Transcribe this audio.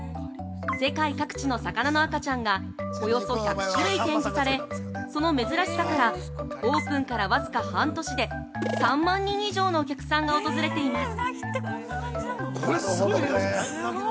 世界各地の魚の赤ちゃんがおよそ１００種類展示されその珍しさからオープンから僅か半年で３万人以上のお客さんが訪れています。